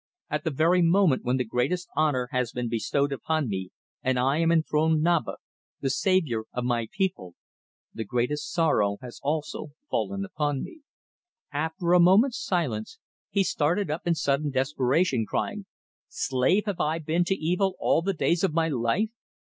At the very moment when the greatest honour has been bestowed upon me and I am enthroned Naba, the saviour of my people, the greatest sorrow has also fallen upon me." After a moment's silence he started up in sudden desperation, crying: "Slave have I been to evil all the days of my life!